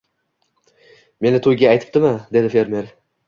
– Meni to‘yga aytibdimi? – dedi fermer